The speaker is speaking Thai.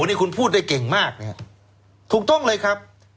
โอโหนี่คุณพูดได้เก่งมากถูกต้องเลยครับ